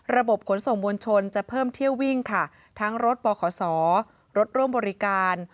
ระบบขนส่งมวลชนจะเพิ่มเที่ยววิ่งค่ะทั้งรถบขศรถร่วมบริการ